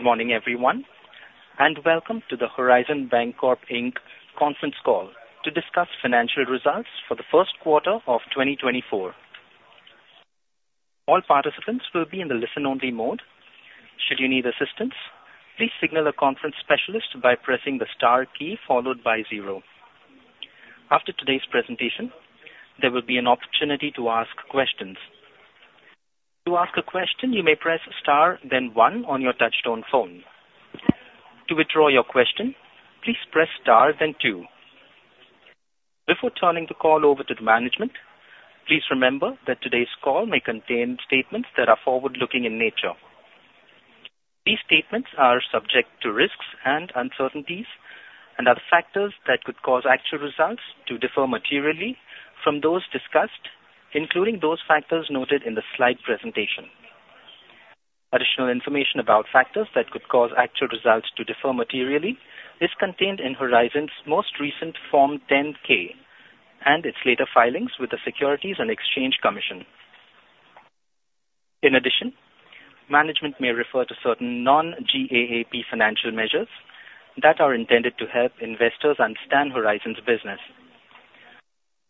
Good morning, everyone, and welcome to the Horizon Bancorp Inc. conference call to discuss financial results for the Q1 of 2024. All participants will be in the listen-only mode. Should you need assistance, please signal a conference specialist by pressing the star key followed by zero. After today's presentation, there will be an opportunity to ask questions. To ask a question, you may press star, then one on your touchtone phone. To withdraw your question, please press star, then two. Before turning the call over to the management, please remember that today's call may contain statements that are forward-looking in nature. These statements are subject to risks and uncertainties and other factors that could cause actual results to differ materially from those discussed, including those factors noted in the slide presentation. Additional information about factors that could cause actual results to differ materially is contained in Horizon's most recent Form 10-K and its later filings with the Securities and Exchange Commission. In addition, management may refer to certain non-GAAP financial measures that are intended to help investors understand Horizon's business.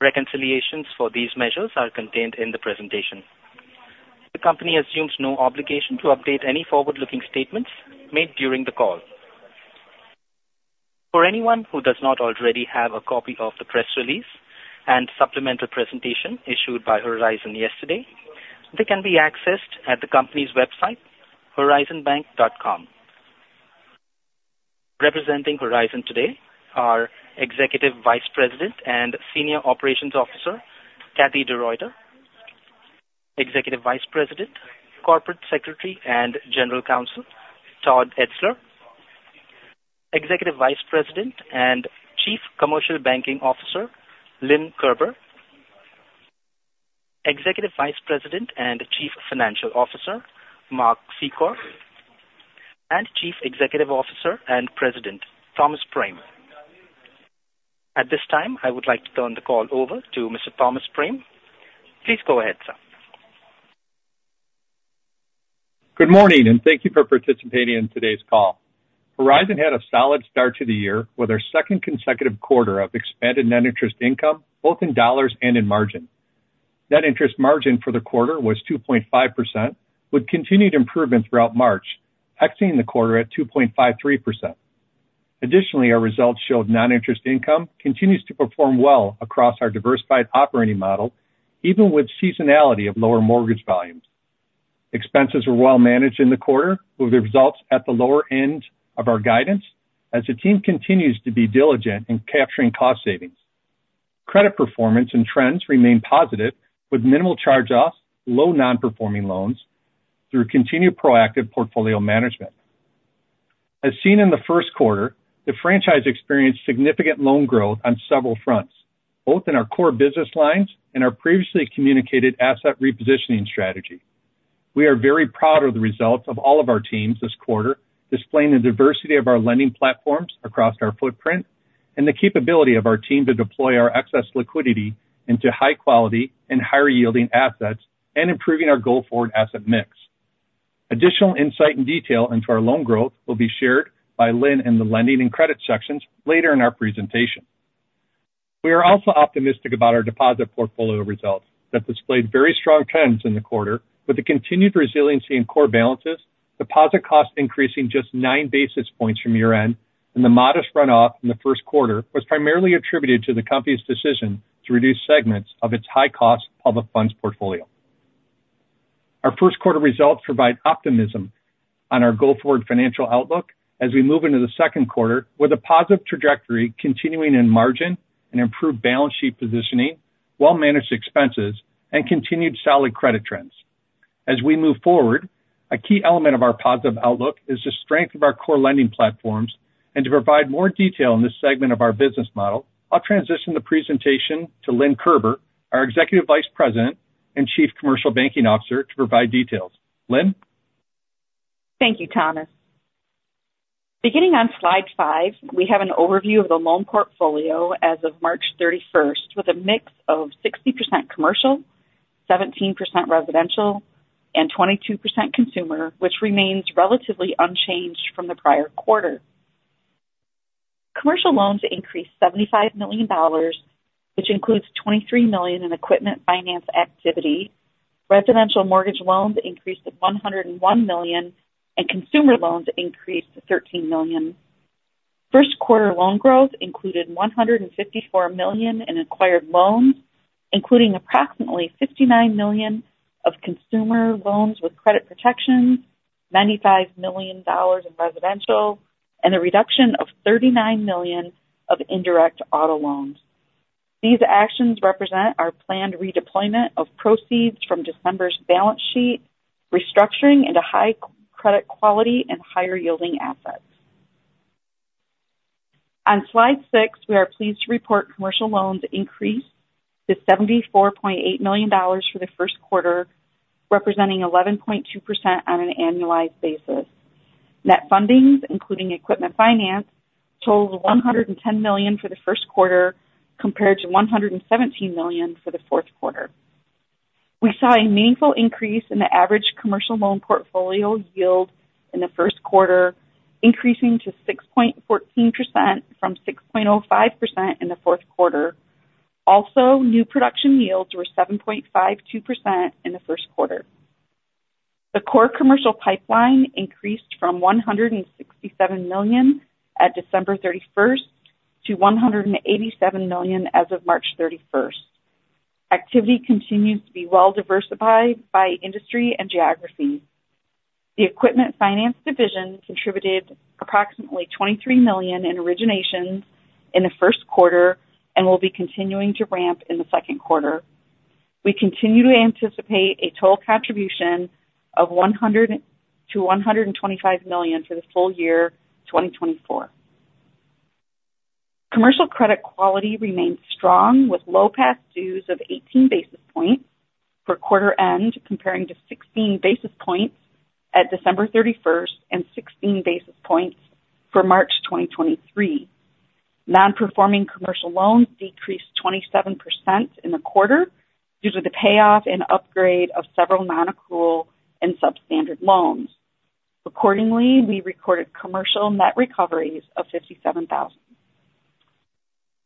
Reconciliations for these measures are contained in the presentation. The company assumes no obligation to update any forward-looking statements made during the call. For anyone who does not already have a copy of the press release and supplemental presentation issued by Horizon yesterday, they can be accessed at the company's website, horizonbank.com. Representing Horizon today are Executive Vice President and Senior Operations Officer Kathie DeRuiter, Executive Vice President, Corporate Secretary, and General Counsel Todd Etzler, Executive Vice President and Chief Commercial Banking Officer Lynn Kerber, Executive Vice President and Chief Financial Officer Mark Secor, and Chief Executive Officer and President Thomas Prame. At this time, I would like to turn the call over to Mr. Thomas Prame. Please go ahead, sir. Good morning, and thank you for participating in today's call. Horizon had a solid start to the year with our second consecutive quarter of expanded net interest income, both in dollars and in margin. Net interest margin for the quarter was 2.5%, with continued improvement throughout March, exiting the quarter at 2.53%. Additionally, our results showed non-interest income continues to perform well across our diversified operating model, even with seasonality of lower mortgage volumes. Expenses were well managed in the quarter, with the results at the lower end of our guidance as the team continues to be diligent in capturing cost savings. Credit performance and trends remain positive, with minimal charge-offs, low non-performing loans through continued proactive portfolio management. As seen in the Q1, the franchise experienced significant loan growth on several fronts, both in our core business lines and our previously communicated asset repositioning strategy. We are very proud of the results of all of our teams this quarter, displaying the diversity of our lending platforms across our footprint and the capability of our team to deploy our excess liquidity into high quality and higher yielding assets and improving our go-forward asset mix. Additional insight and detail into our loan growth will be shared by Lynn in the lending and credit sections later in our presentation. We are also optimistic about our deposit portfolio results that displayed very strong trends in the quarter, with the continued resiliency in core balances, deposit costs increasing just nine basis points from year-end, and the modest runoff in the Q1 was primarily attributed to the company's decision to reduce segments of its high-cost public funds portfolio. Our Q1 results provide optimism on our go-forward financial outlook as we move into the Q2 with a positive trajectory continuing in margin and improved balance sheet positioning, well-managed expenses, and continued solid credit trends. As we move forward, a key element of our positive outlook is the strength of our core lending platforms. To provide more detail on this segment of our business model, I'll transition the presentation to Lynn Kerber, our Executive Vice President and Chief Commercial Banking Officer, to provide details. Lynn? Thank you, Thomas. Beginning on slide five, we have an overview of the loan portfolio as of March 31st, with a mix of 60% commercial, 17% residential and 22% consumer, which remains relatively unchanged from the prior quarter. Commercial loans increased $75 million, which includes $23 million in equipment finance activity. Residential mortgage loans increased to $101 million, and consumer loans increased to $13 million. Q1 loan growth included $154 million in acquired loans, including approximately $59 million of consumer loans with credit protection, $95 million in residential, and a reduction of $39 million of indirect auto loans. These actions represent our planned redeployment of proceeds from December's balance sheet restructuring into high credit quality and higher-yielding assets. On slide six, we are pleased to report commercial loans increased to $74.8 million for the Q1, representing 11.2% on an annualized basis. Net fundings, including equipment finance, totaled $110 million for the Q1, compared to $117 million for the Q4. We saw a meaningful increase in the average commercial loan portfolio yield in the Q1, increasing to 6.14% from 6.05% in the Q4. Also, new production yields were 7.52% in the Q1. The core commercial pipeline increased from $167 million at December 31 to $187 million as of March 31. Activity continues to be well diversified by industry and geography. The equipment finance division contributed approximately $23 million in originations in the Q1 and will be continuing to ramp in the Q2. We continue to anticipate a total contribution of $100 million-$125 million for the full year 2024. Commercial credit quality remains strong, with low past dues of 18 basis points for quarter end, comparing to 16 basis points at December 31 and 16 basis points for March 2023. Non-Performing commercial loans decreased 27% in the quarter due to the payoff and upgrade of several nonaccrual and substandard loans. Accordingly, we recorded commercial net recoveries of $57,000.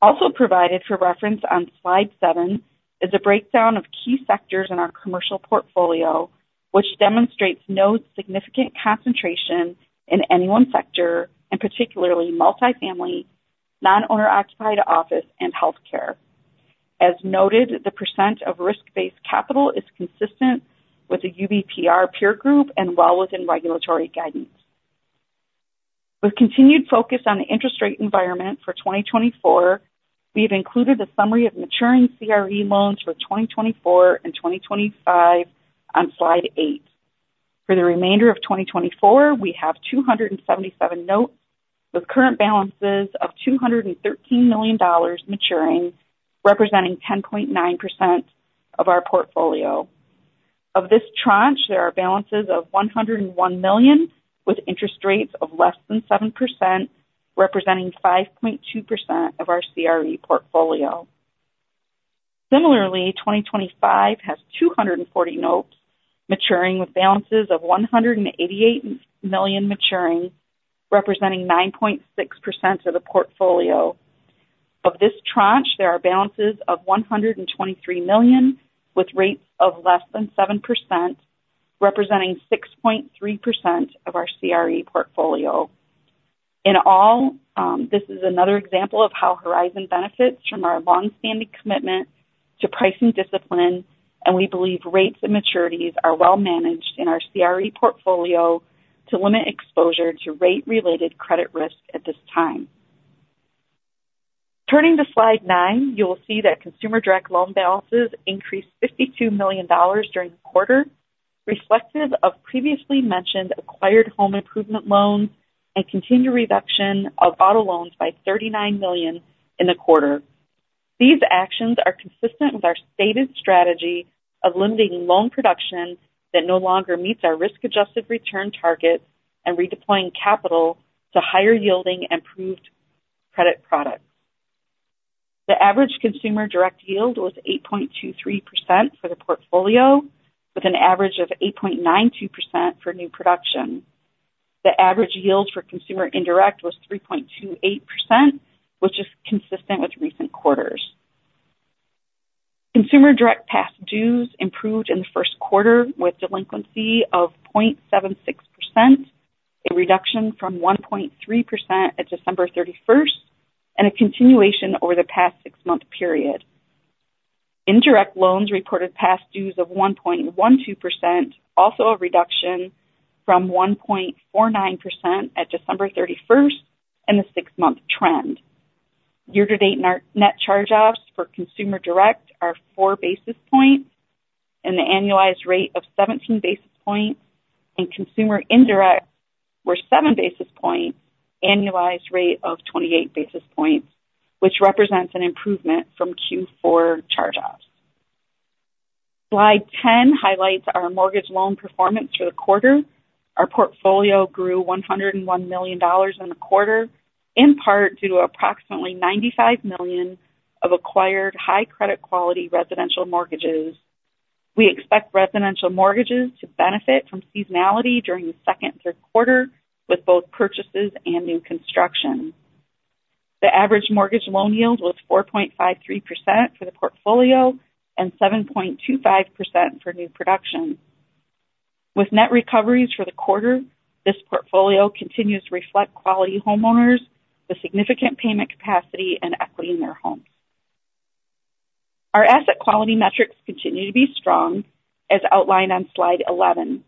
Also provided for reference on slide 7 is a breakdown of key sectors in our commercial portfolio, which demonstrates no significant concentration in any one sector, and particularly multifamily, non-owner occupied office and healthcare. As noted, the percent of risk-based capital is consistent with the UBPR peer group and well within regulatory guidance. With continued focus on the interest rate environment for 2024, we have included a summary of maturing CRE loans for 2024 and 2025 on slide 8. For the remainder of 2024, we have 277 notes, with current balances of $213 million maturing, representing 10.9% of our portfolio. Of this tranche, there are balances of $101 million, with interest rates of less than 7%, representing 5.2% of our CRE portfolio. Similarly, 2025 has 240 notes maturing with balances of $188 million maturing, representing 9.6% of the portfolio. Of this tranche, there are balances of $123 million, with rates of less than 7%, representing 6.3% of our CRE portfolio. In all, this is another example of how Horizon benefits from our longstanding commitment to pricing discipline, and we believe rates and maturities are well managed in our CRE portfolio to limit exposure to rate-related credit risks at this time. Turning to slide 9, you will see that consumer direct loan balances increased $52 million during the quarter, reflective of previously mentioned acquired home improvement loans and continued reduction of auto loans by $39 million in the quarter. These actions are consistent with our stated strategy of limiting loan production that no longer meets our risk-adjusted return targets and redeploying capital to higher yielding improved credit products. The average consumer direct yield was 8.23% for the portfolio, with an average of 8.92% for new production. The average yield for consumer indirect was 3.28%, which is consistent with recent quarters. Consumer direct past dues improved in the Q1, with delinquency of 0.76%, a reduction from 1.3% at December thirty-first, and a continuation over the past six-month period. Indirect loans reported past dues of 1.12%, also a reduction from 1.49% at December thirty-first and the six-month trend. Year-to-date net charge-offs for consumer direct are 4 basis points and the annualized rate of 17 basis points, and consumer indirect were 7 basis points, annualized rate of 28 basis points, which represents an improvement from Q4 charge-offs. Slide 10 highlights our mortgage loan performance for the quarter. Our portfolio grew $101 million in the quarter, in part due to approximately $95 million of acquired high credit quality residential mortgages. We expect residential mortgages to benefit from seasonality during the second and Q3, with both purchases and new construction. The average mortgage loan yield was 4.53% for the portfolio and 7.25% for new production. With net recoveries for the quarter, this portfolio continues to reflect quality homeowners with significant payment capacity and equity in their homes. Our asset quality metrics continue to be strong, as outlined on slide 11.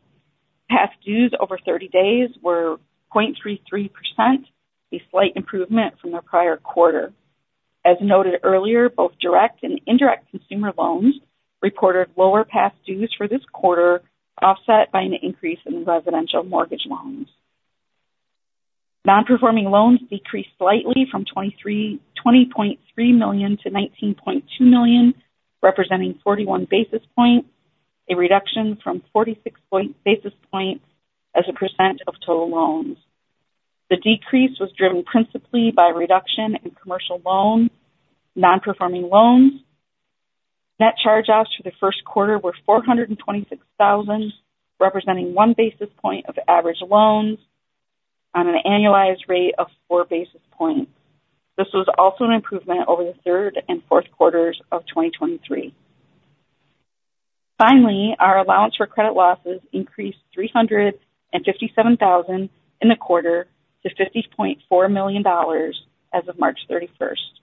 Past dues over 30 days were 0.33%, a slight improvement from the prior quarter. As noted earlier, both direct and indirect consumer loans reported lower past dues for this quarter, offset by an increase in residential mortgage loans. Non-performing loans decreased slightly from $23.2 million to $19.2 million, representing 41 basis points, a reduction from 46 basis points as a percent of total loans. The decrease was driven principally by a reduction in commercial non-performing loans. Net charge-offs for the Q1 were $426,000, representing 1 basis point of average loans on an annualized rate of 4 basis points. This was also an improvement over the Q3 and Q4 of 2023. Finally, our allowance for credit losses increased $357,000 in the quarter to $50.4 million as of March thirty-first.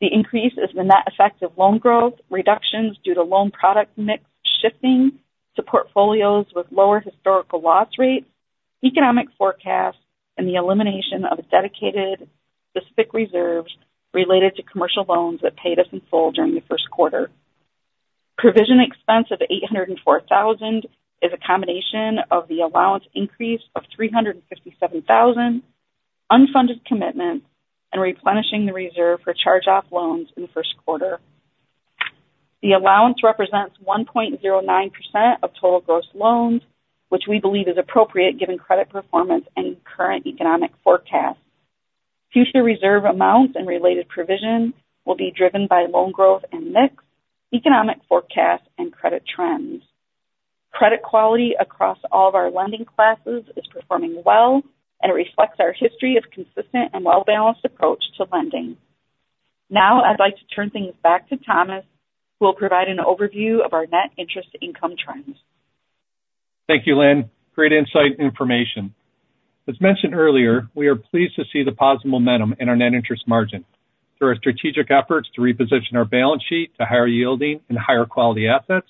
The increase is the net effect of loan growth, reductions due to loan product mix shifting to portfolios with lower historical loss rates, economic forecasts, and the elimination of dedicated specific reserves related to commercial loans that paid us in full during the Q1. Provision expense of $804,000 is a combination of the allowance increase of $357,000, unfunded commitments, and replenishing the reserve for charge-off loans in the Q1. The allowance represents 1.09% of total gross loans, which we believe is appropriate, given credit performance and current economic forecasts. Future reserve amounts and related provisions will be driven by loan growth and mix, economic forecasts, and credit trends. Credit quality across all of our lending classes is performing well and reflects our history of consistent and well-balanced approach to lending. Now, I'd like to turn things back to Thomas, who will provide an overview of our net interest income trends. Thank you, Lynn. Great insight and information. As mentioned earlier, we are pleased to see the positive momentum in our net interest margin through our strategic efforts to reposition our balance sheet to higher yielding and higher quality assets,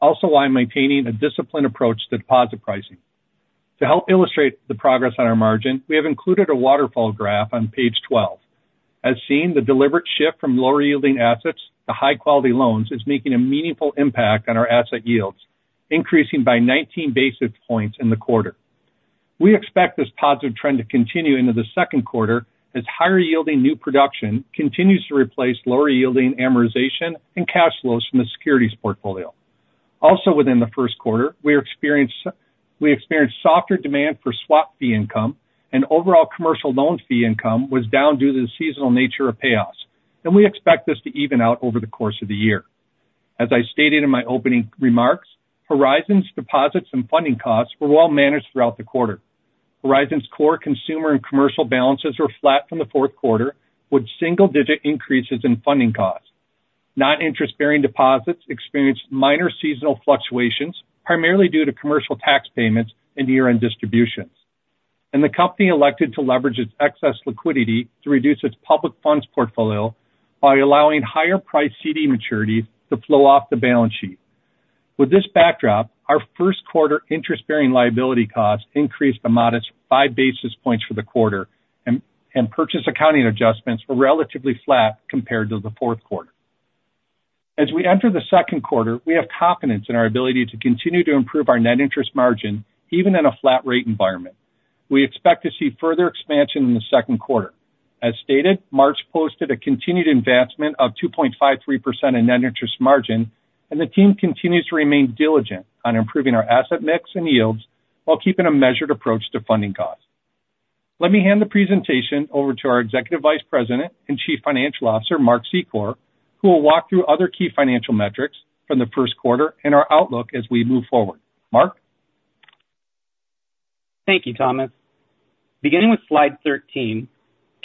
also while maintaining a disciplined approach to deposit pricing. To help illustrate the progress on our margin, we have included a waterfall graph on page 12. As seen, the deliberate shift from lower yielding assets to high quality loans is making a meaningful impact on our asset yields, increasing by 19 basis points in the quarter. We expect this positive trend to continue into the Q2 as higher yielding new production continues to replace lower yielding amortization and cash flows from the securities portfolio. Also, within the Q1, we experienced softer demand for swap fee income and overall commercial loan fee income was down due to the seasonal nature of payoffs, and we expect this to even out over the course of the year. As I stated in my opening remarks, Horizon's deposits and funding costs were well managed throughout the quarter. Horizon's core consumer and commercial balances were flat from the Q4, with single-digit increases in funding costs. Non-interest-bearing deposits experienced minor seasonal fluctuations, primarily due to commercial tax payments and year-end distributions. The company elected to leverage its excess liquidity to reduce its public funds portfolio by allowing higher-priced CD maturities to flow off the balance sheet. With this backdrop, our Q1 interest-bearing liability costs increased a modest 5 basis points for the quarter and purchase accounting adjustments were relatively flat compared to the Q4. As we enter the Q2, we have confidence in our ability to continue to improve our net interest margin, even in a flat rate environment. We expect to see further expansion in the Q2. As stated, March posted a continued advancement of 2.53% in net interest margin, and the team continues to remain diligent on improving our asset mix and yields while keeping a measured approach to funding costs. Let me hand the presentation over to our Executive Vice President and Chief Financial Officer, Mark Secor, who will walk through other key financial metrics from the Q1 and our outlook as we move forward. Mark? Thank you, Thomas. Beginning with slide 13,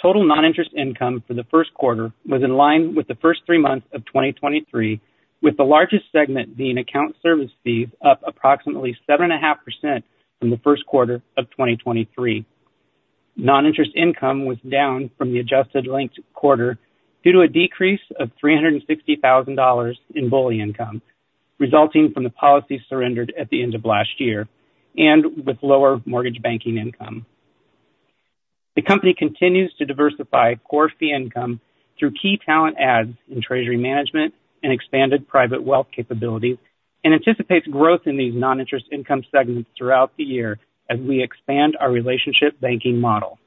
total non-interest income for the Q1 was in line with the first three months of 2023, with the largest segment being account service fees, up approximately 7.5% from the Q1 of 2023. Non-interest income was down from the adjusted linked quarter due to a decrease of $360,000 in BOLI income, resulting from the policy surrendered at the end of last year and with lower mortgage banking income. The company continues to diversify core fee income through key talent adds in treasury management and expanded private wealth capabilities, and anticipates growth in these non-interest income segments throughout the year as we expand our relationship banking model.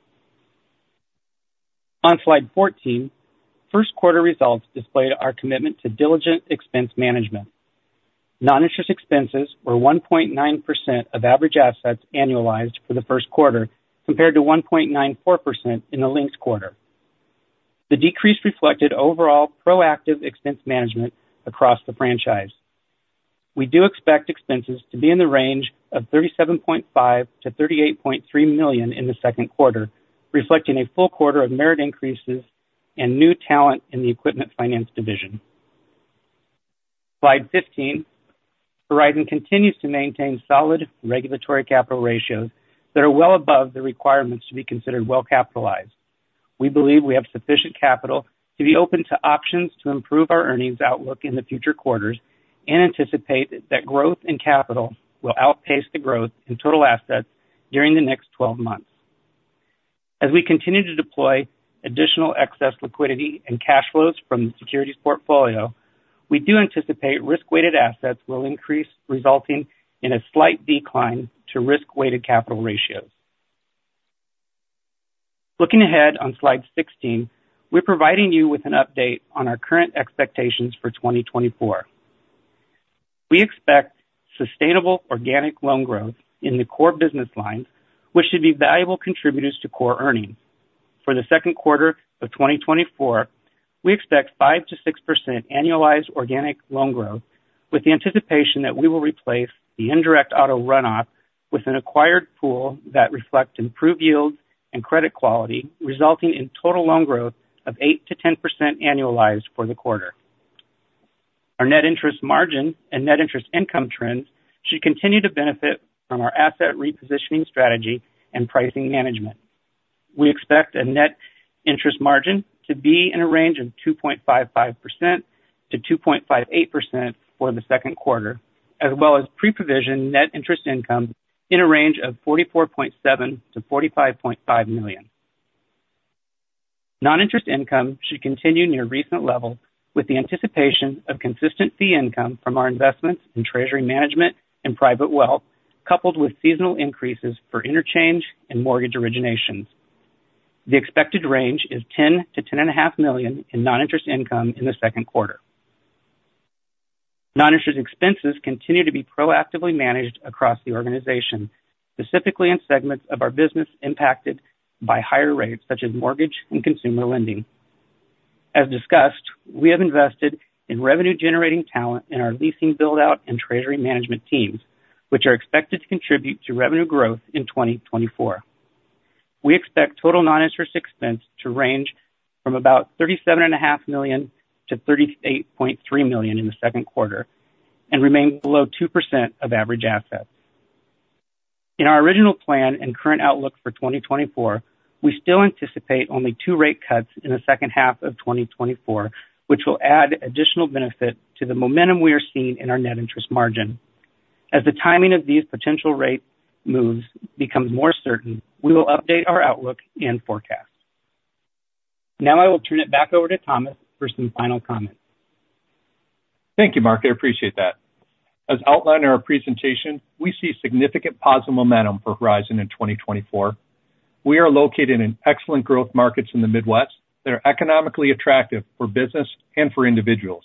On slide 14, Q1 results display our commitment to diligent expense management. Non-interest expenses were 1.9% of average assets annualized for the Q1, compared to 1.94% in the linked quarter. The decrease reflected overall proactive expense management across the franchise. We do expect expenses to be in the range of $37.5 million-$38.3 million in the Q2, reflecting a full quarter of merit increases and new talent in the equipment finance division. Slide 15. Horizon continues to maintain solid regulatory capital ratios that are well above the requirements to be considered well capitalized. We believe we have sufficient capital to be open to options to improve our earnings outlook in the future quarters and anticipate that growth in capital will outpace the growth in total assets during the next 12 months. As we continue to deploy additional excess liquidity and cash flows from the securities portfolio-... We do anticipate risk-weighted assets will increase, resulting in a slight decline to risk-weighted capital ratios. Looking ahead on slide 16, we're providing you with an update on our current expectations for 2024. We expect sustainable organic loan growth in the core business lines, which should be valuable contributors to core earnings. For the Q2 of 2024, we expect 5%-6% annualized organic loan growth, with the anticipation that we will replace the indirect auto runoff with an acquired pool that reflects improved yields and credit quality, resulting in total loan growth of 8%-10% annualized for the quarter. Our net interest margin and net interest income trends should continue to benefit from our asset repositioning strategy and pricing management. We expect a net interest margin to be in a range of 2.55%-2.58% for the Q2, as well as pre-provision net interest income in a range of $44.7 million-$45.5 million. Non-interest income should continue near recent levels, with the anticipation of consistent fee income from our investments in treasury management and private wealth, coupled with seasonal increases for interchange and mortgage originations. The expected range is $10 million-$10.5 million in non-interest income in the Q2. Non-interest expenses continue to be proactively managed across the organization, specifically in segments of our business impacted by higher rates, such as mortgage and consumer lending. As discussed, we have invested in revenue-generating talent in our leasing build-out and treasury management teams, which are expected to contribute to revenue growth in 2024. We expect total non-interest expense to range from about $37.5 million-$38.3 million in the Q2 and remain below 2% of average assets. In our original plan and current outlook for 2024, we still anticipate only 2 rate cuts in the second half of 2024, which will add additional benefit to the momentum we are seeing in our net interest margin. As the timing of these potential rate moves becomes more certain, we will update our outlook and forecast. Now I will turn it back over to Thomas for some final comments. Thank you, Mark. I appreciate that. As outlined in our presentation, we see significant positive momentum for Horizon in 2024. We are located in excellent growth markets in the Midwest that are economically attractive for business and for individuals.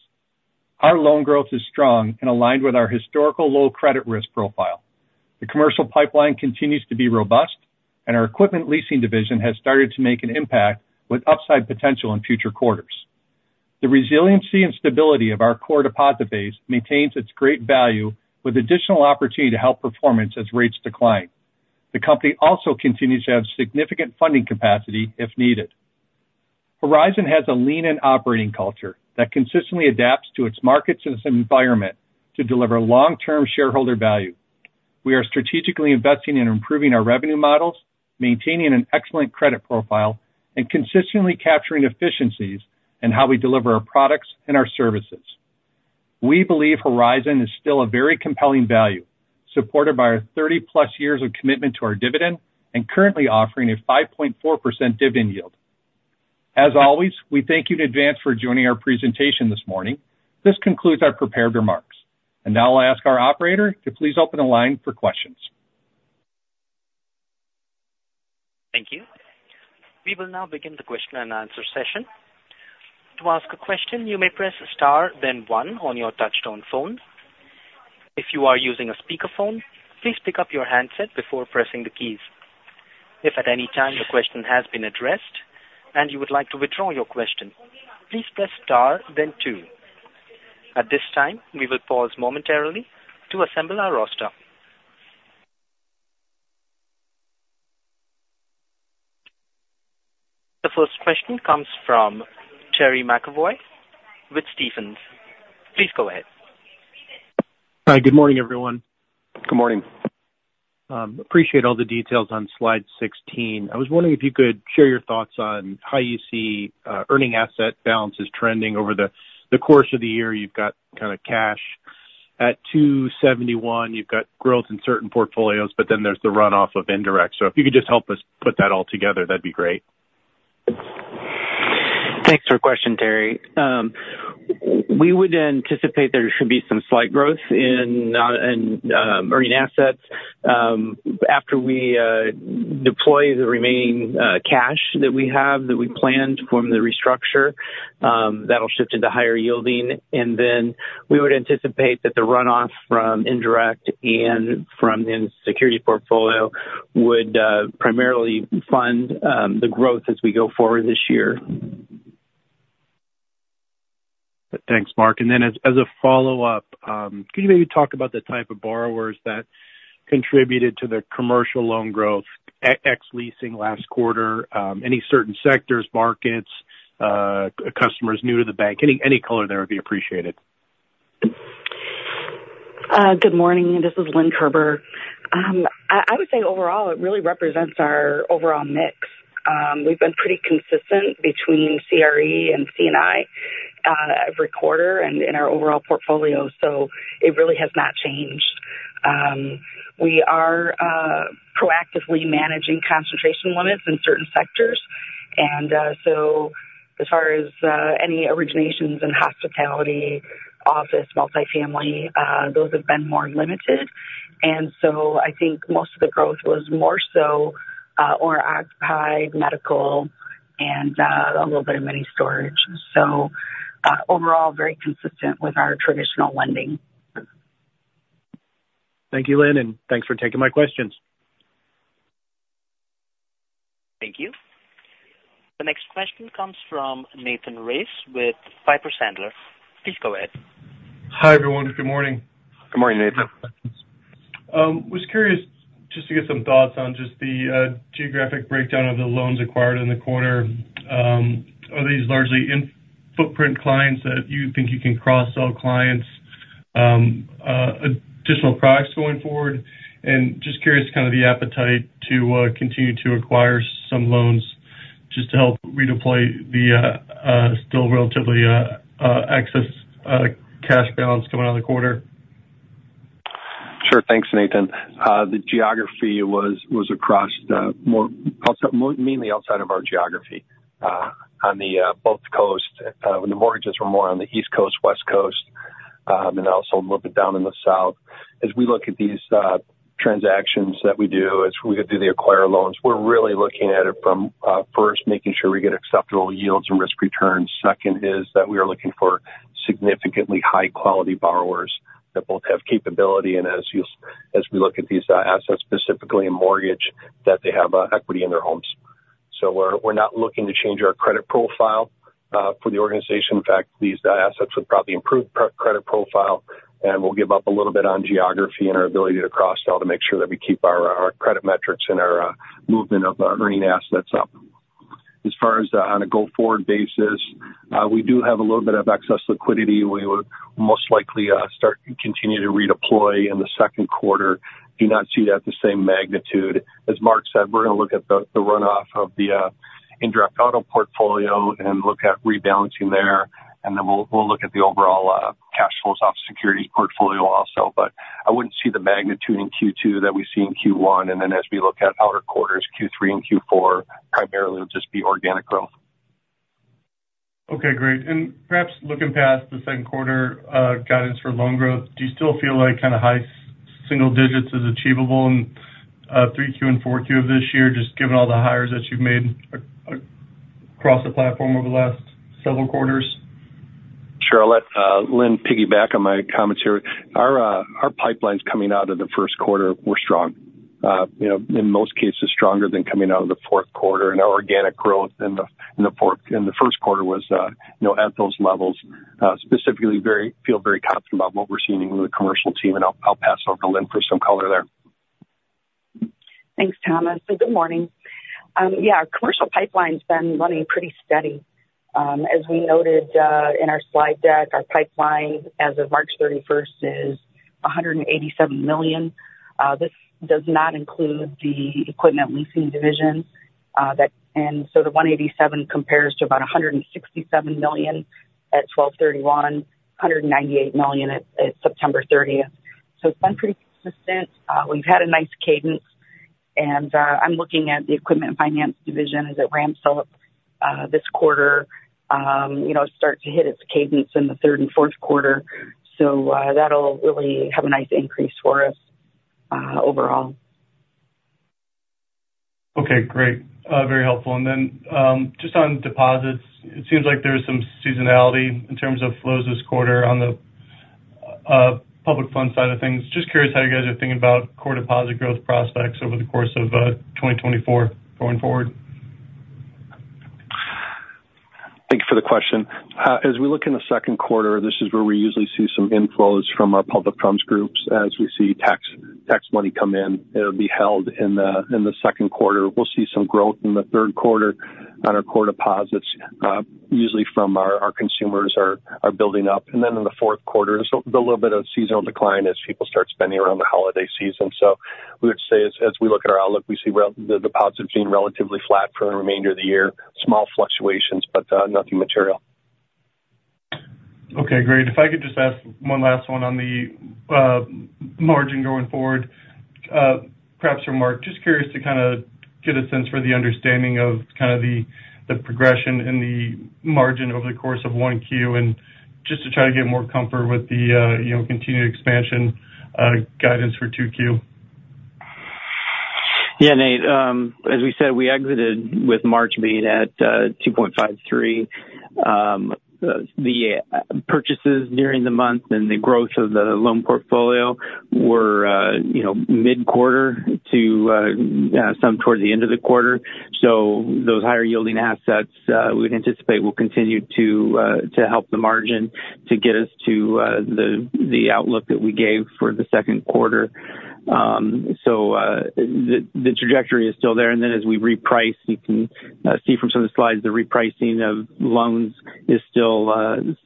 Our loan growth is strong and aligned with our historical low credit risk profile. The commercial pipeline continues to be robust, and our equipment leasing division has started to make an impact with upside potential in future quarters. The resiliency and stability of our core deposit base maintains its great value with additional opportunity to help performance as rates decline. The company also continues to have significant funding capacity if needed. Horizon has a lean and operating culture that consistently adapts to its markets and its environment to deliver long-term shareholder value. We are strategically investing in improving our revenue models, maintaining an excellent credit profile, and consistently capturing efficiencies in how we deliver our products and our services. We believe Horizon is still a very compelling value, supported by our 30+ years of commitment to our dividend and currently offering a 5.4% dividend yield. As always, we thank you in advance for joining our presentation this morning. This concludes our prepared remarks. And now I'll ask our operator to please open the line for questions. Thank you. We will now begin the question and answer session. To ask a question, you may press star, then one on your touchtone phone. If you are using a speakerphone, please pick up your handset before pressing the keys. If at any time your question has been addressed and you would like to withdraw your question, please press star, then two. At this time, we will pause momentarily to assemble our roster. The first question comes from Terry McEvoy with Stephens. Please go ahead. Hi, good morning, everyone. Good morning. Appreciate all the details on slide 16. I was wondering if you could share your thoughts on how you see earning asset balances trending over the course of the year. You've got kind of cash at 271. You've got growth in certain portfolios, but then there's the runoff of indirect. So if you could just help us put that all together, that'd be great. Thanks for your question, Terry. We would anticipate there should be some slight growth in earning assets after we deploy the remaining cash that we have, that we planned from the restructure. That'll shift into higher yielding, and then we would anticipate that the runoff from indirect and from the security portfolio would primarily fund the growth as we go forward this year. Thanks, Mark. And then as a follow-up, can you maybe talk about the type of borrowers that contributed to the commercial loan growth ex leasing last quarter? Any certain sectors, markets, customers new to the bank? Any color there would be appreciated. Good morning. This is Lynn Kerber. I would say overall, it really represents our overall mix. We've been pretty consistent between CRE and C&I, every quarter and in our overall portfolio, so it really has not changed. We are proactively managing concentration limits in certain sectors. So as far as any originations in hospitality, office, multifamily, those have been more limited. And so I think most of the growth was more so or occupied medical and a little bit of mini storage. So overall, very consistent with our traditional lending. Thank you, Lynn, and thanks for taking my questions. Thank you. The next question comes from Nathan Race with Piper Sandler. Please go ahead. Hi, everyone, good morning. Good morning, Nathan. Was curious just to get some thoughts on just the geographic breakdown of the loans acquired in the quarter. Are these largely in-footprint clients that you think you can cross-sell clients additional products going forward? And just curious, kind of the appetite to continue to acquire some loans just to help redeploy the still relatively excess cash balance coming out of the quarter. Sure. Thanks, Nathan. The geography was mainly outside of our geography, on both coasts. The mortgages were more on the East Coast, West Coast, and also a little bit down in the South. As we look at these transactions that we do, as we do the acquire loans, we're really looking at it from first, making sure we get acceptable yields and risk returns. Second is that we are looking for significantly high-quality borrowers that both have capability and as we look at these assets, specifically in mortgage, that they have equity in their homes. So we're not looking to change our credit profile for the organization. In fact, these assets would probably improve credit profile, and we'll give up a little bit on geography and our ability to cross-sell to make sure that we keep our credit metrics and our movement of earning assets up. As far as on a go-forward basis, we do have a little bit of excess liquidity. We will most likely start to continue to redeploy in the Q2. Do not see that the same magnitude. As Mark said, we're going to look at the runoff of the indirect auto portfolio and look at rebalancing there, and then we'll look at the overall cash flows off the securities portfolio also. But I wouldn't see the magnitude in Q2 that we see in Q1, and then as we look at later quarters, Q3 and Q4, primarily it'll just be organic growth. Okay, great. And perhaps looking past the Q2, guidance for loan growth, do you still feel like kind of high single digits is achievable in Q3 and Q4 of this year, just given all the hires that you've made across the platform over the last several quarters? Sure. I'll let Lynn piggyback on my comments here. Our pipelines coming out of the Q1 were strong. You know, in most cases stronger than coming out of the Q4, and our organic growth in the Q1 was, you know, at those levels, specifically feel very confident about what we're seeing in the commercial team, and I'll pass over to Lynn for some color there. Thanks, Thomas, and good morning. Yeah, our commercial pipeline's been running pretty steady. As we noted in our slide deck, our pipeline as of March 31 is $187 million. This does not include the equipment leasing division. And so the 187 compares to about $167 million at December 31, $198 million at September 30. So it's been pretty consistent. We've had a nice cadence and I'm looking at the equipment finance division as it ramps up this quarter, you know, start to hit its cadence in the third and Q4. So that'll really have a nice increase for us overall. Okay, great. Very helpful. And then, just on deposits, it seems like there was some seasonality in terms of flows this quarter on the public fund side of things. Just curious how you guys are thinking about core deposit growth prospects over the course of 2024 going forward. Thank you for the question. As we look in the Q2, this is where we usually see some inflows from our public funds groups. As we see tax money come in, it'll be held in the Q2. We'll see some growth in the Q3 on our core deposits, usually from our consumers are building up. And then in the Q4, so a little bit of seasonal decline as people start spending around the holiday season. So we would say as we look at our outlook, we see the deposits being relatively flat for the remainder of the year. Small fluctuations, but nothing material. Okay, great. If I could just ask one last one on the margin going forward, perhaps for Mark. Just curious to kind of get a sense for the understanding of kind of the progression in the margin over the course of 1Q, and just to try to get more comfort with the, you know, continued expansion, guidance for Q2. Yeah, Nate. As we said, we exited with March being at 2.53. The purchases during the month and the growth of the loan portfolio were, you know, mid-quarter to some towards the end of the quarter. So those higher-yielding assets, we'd anticipate will continue to help the margin to get us to the outlook that we gave for the Q2. So the trajectory is still there. And then as we reprice, you can see from some of the slides, the repricing of loans is still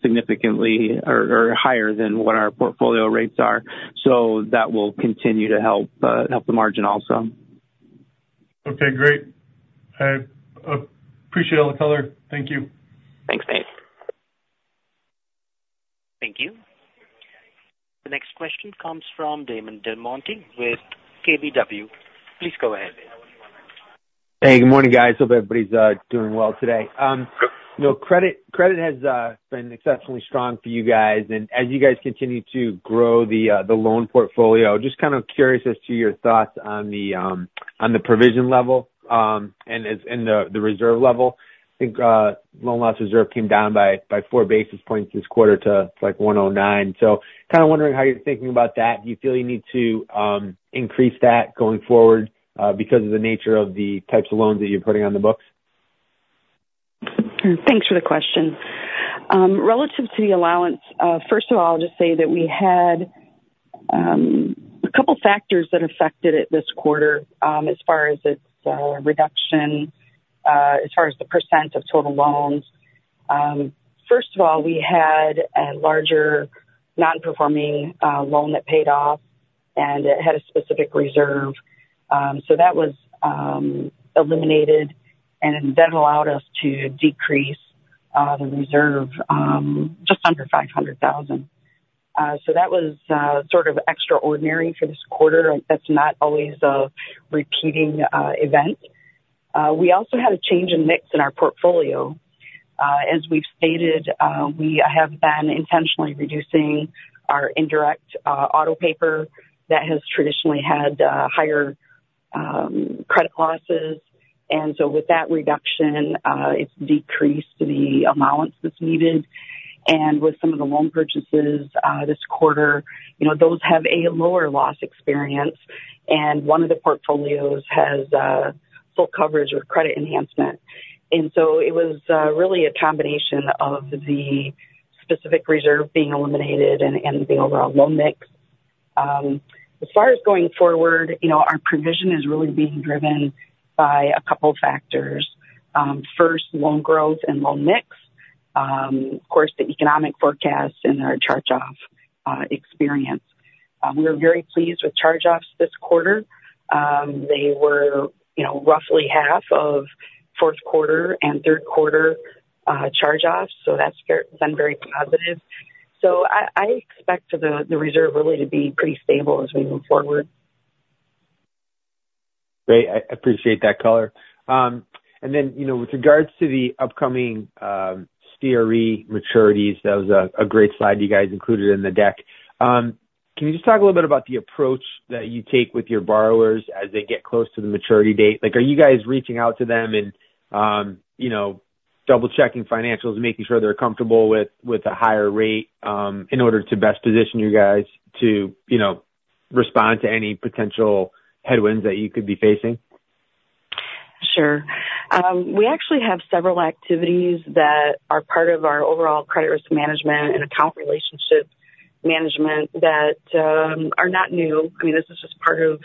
significantly or higher than what our portfolio rates are. So that will continue to help the margin also. Okay, great. I appreciate all the color. Thank you. Thanks, Nate.... question comes from Damon DelMonte with KBW. Please go ahead. Hey, good morning, guys. Hope everybody's doing well today. You know, credit has been exceptionally strong for you guys, and as you guys continue to grow the loan portfolio, just kind of curious as to your thoughts on the provision level and the reserve level. I think loan loss reserve came down by 4 basis points this quarter to, like, 109. So kind of wondering how you're thinking about that. Do you feel you need to increase that going forward because of the nature of the types of loans that you're putting on the books? Thanks for the question. Relative to the allowance, first of all, I'll just say that we had a couple factors that affected it this quarter, as far as its reduction, as far as the percent of total loans. First of all, we had a larger non-performing loan that paid off, and it had a specific reserve. So that was eliminated, and that allowed us to decrease the reserve just under $500,000. So that was sort of extraordinary for this quarter. That's not always a repeating event. We also had a change in mix in our portfolio. As we've stated, we have been intentionally reducing our indirect auto paper that has traditionally had higher credit losses. And so with that reduction, it's decreased the allowance that's needed. With some of the loan purchases this quarter, you know, those have a lower loss experience, and one of the portfolios has full coverage with credit enhancement. So it was really a combination of the specific reserve being eliminated and the overall loan mix. As far as going forward, you know, our provision is really being driven by a couple factors. First, loan growth and loan mix. Of course, the economic forecast and our charge-off experience. We are very pleased with charge-offs this quarter. They were, you know, roughly half of Q4 and Q3 charge-offs, so that's been very positive. So I expect the reserve really to be pretty stable as we move forward. Great. I appreciate that color. And then, you know, with regards to the upcoming CRE maturities, that was a great slide you guys included in the deck. Can you just talk a little bit about the approach that you take with your borrowers as they get close to the maturity date? Like, are you guys reaching out to them and, you know, double checking financials and making sure they're comfortable with a higher rate in order to best position you guys to, you know, respond to any potential headwinds that you could be facing? Sure. We actually have several activities that are part of our overall credit risk management and account relationship management that are not new. I mean, this is just part of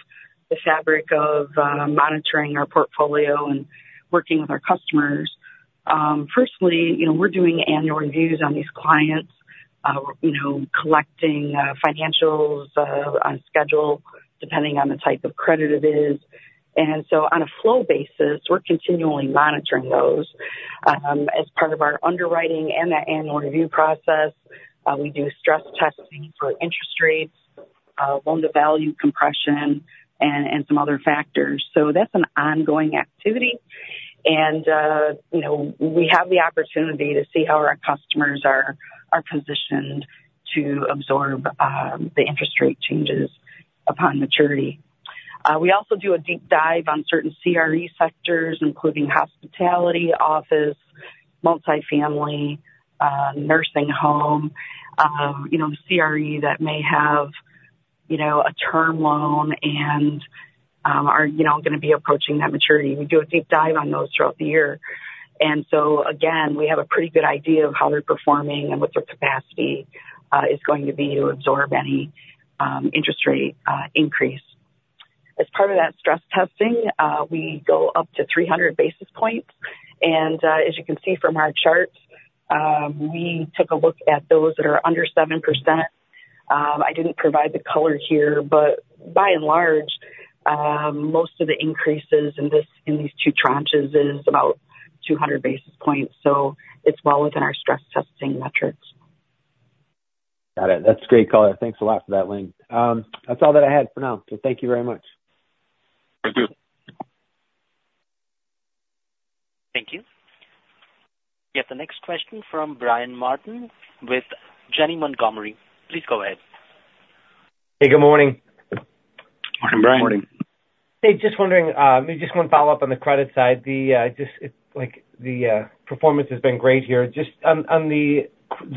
the fabric of monitoring our portfolio and working with our customers. Firstly, you know, we're doing annual reviews on these clients, you know, collecting financials on schedule, depending on the type of credit it is. And so on a flow basis, we're continually monitoring those. As part of our underwriting and the annual review process, we do stress testing for interest rates, loan-to-value compression, and some other factors. So that's an ongoing activity. And, you know, we have the opportunity to see how our customers are positioned to absorb the interest rate changes upon maturity. We also do a deep dive on certain CRE sectors, including hospitality, office, multifamily, nursing home, you know, CRE that may have, you know, a term loan and are, you know, gonna be approaching that maturity. We do a deep dive on those throughout the year. And so again, we have a pretty good idea of how they're performing and what their capacity is going to be to absorb any interest rate increase. As part of that stress testing, we go up to 300 basis points, and as you can see from our charts, we took a look at those that are under 7%. I didn't provide the color here, but by and large, most of the increases in these two tranches is about 200 basis points, so it's well within our stress testing metrics. Got it. That's a great color. Thanks a lot for that, Lynn. That's all that I had for now. So thank you very much. Thank you. Thank you. We have the next question from Brian Martin with Janney Montgomery. Please go ahead. Hey, good morning. Morning, Brian. Morning. Hey, just wondering, maybe just one follow-up on the credit side. The performance has been great here. Just on the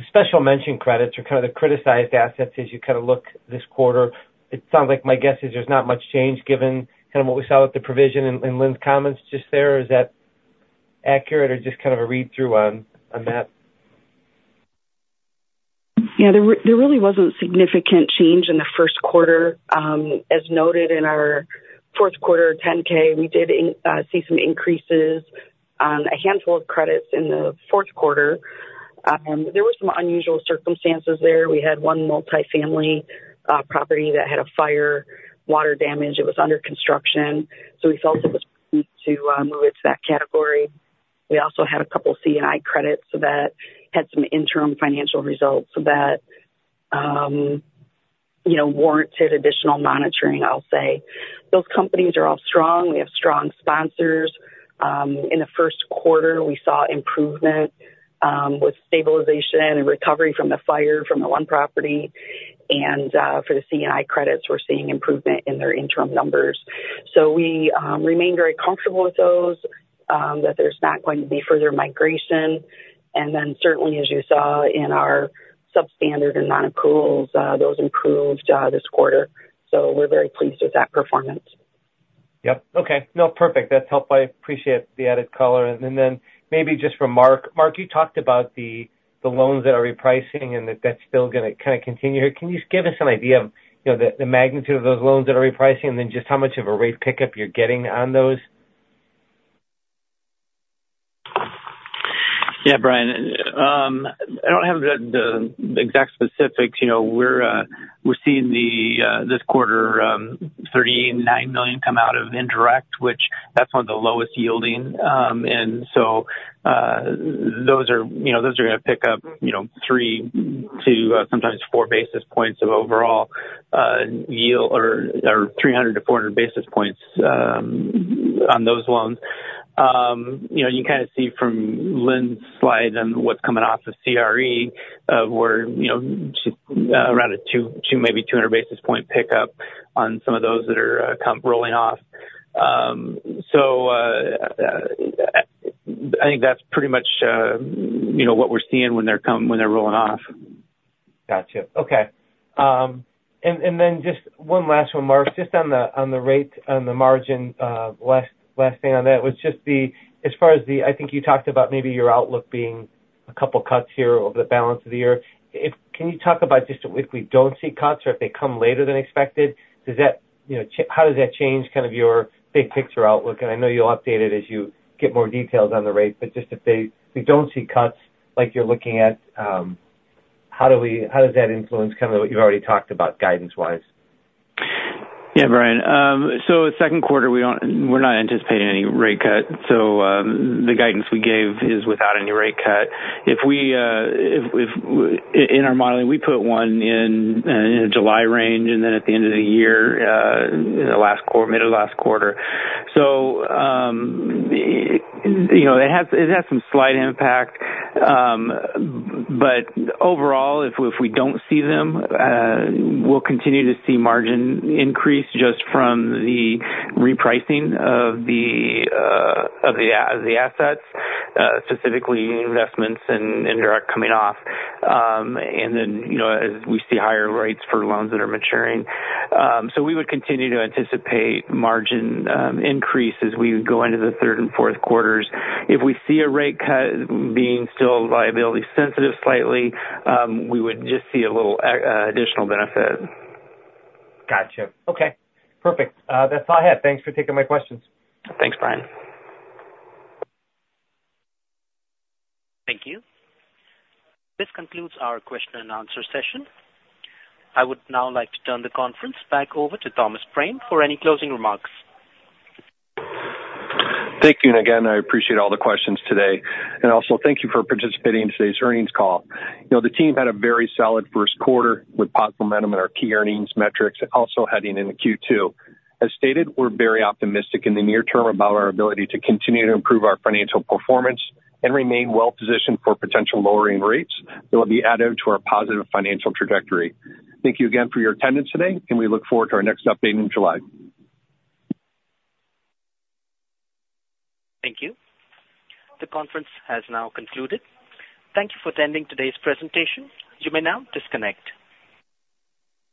special mention credits or kind of the criticized assets as you kind of look this quarter, it sounds like my guess is there's not much change given kind of what we saw with the provision in Lynn's comments just there. Is that accurate or just kind of a read-through on that? Yeah, there really wasn't significant change in the Q1. As noted in our Q4 10-K, we did see some increases on a handful of credits in the Q4. There were some unusual circumstances there. We had one multifamily property that had a fire, water damage. It was under construction, so we felt it was to move it to that category. ... We also had a couple C&I credits that had some interim financial results that, you know, warranted additional monitoring, I'll say. Those companies are all strong. We have strong sponsors. In the Q1, we saw improvement with stabilization and recovery from the fire from the one property, and for the C&I credits, we're seeing improvement in their interim numbers. So we remain very comfortable with those that there's not going to be further migration. And then certainly, as you saw in our substandard and non-accruals, those improved this quarter. So we're very pleased with that performance. Yep. Okay. No, perfect. That's helped. I appreciate the added color. And then maybe just for Mark. Mark, you talked about the loans that are repricing and that that's still gonna kinda continue. Can you just give us an idea of, you know, the magnitude of those loans that are repricing, and then just how much of a rate pickup you're getting on those? Yeah, Brian, I don't have the exact specifics. You know, we're seeing this quarter $39 million come out of indirect, which that's one of the lowest yielding. And so, those are, you know, those are gonna pick up, you know, 3 to sometimes 4 basis points of overall yield or 300-400 basis points on those loans. You know, you kind of see from Lynn's slide on what's coming off of CRE, where, you know, she-- around 200 basis point pickup on some of those that are come rolling off. So, I think that's pretty much, you know, what we're seeing when they're rolling off. Gotcha. Okay. And then just one last one, Mark. Just on the rate, on the margin, last thing on that was just the—as far as the... I think you talked about maybe your outlook being a couple cuts here over the balance of the year. If—can you talk about just if we don't see cuts or if they come later than expected, does that, you know, how does that change kind of your big picture outlook? And I know you'll update it as you get more details on the rate, but just if they, we don't see cuts like you're looking at, how does that influence kind of what you've already talked about guidance-wise? Yeah, Brian. So Q2, we're not anticipating any rate cut. So, the guidance we gave is without any rate cut. If we, if in our modeling, we put one in, in a July range, and then at the end of the year, in the last quarter, middle of last quarter. So, you know, it has, it has some slight impact. But overall, if we don't see them, we'll continue to see margin increase just from the repricing of the, of the assets, specifically investments and direct coming off. And then, you know, as we see higher rates for loans that are maturing. So we would continue to anticipate margin increase as we go into the Q3 and Q4. If we see a rate cut being still liability sensitive slightly, we would just see a little additional benefit. Gotcha. Okay, perfect. That's all I have. Thanks for taking my questions. Thanks, Brian. Thank you. This concludes our question and answer session. I would now like to turn the conference back over to Thomas Prame for any closing remarks. Thank you, and again, I appreciate all the questions today. Also thank you for participating in today's earnings call. You know, the team had a very solid Q1 with positive momentum in our key earnings metrics and also heading into Q2. As stated, we're very optimistic in the near term about our ability to continue to improve our financial performance and remain well positioned for potential lowering rates that will be added to our positive financial trajectory. Thank you again for your attendance today, and we look forward to our next update in July. Thank you. The conference has now concluded. Thank you for attending today's presentation. You may now disconnect.